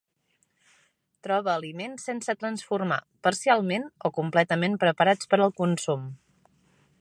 Trobe aliments sense transformar, parcialment o completament preparats per al consum.